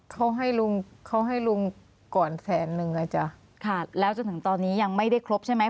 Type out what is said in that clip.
เขาให้ลุงเขาให้ลุงก่อนแสนนึงอ่ะจ้ะค่ะแล้วจนถึงตอนนี้ยังไม่ได้ครบใช่ไหม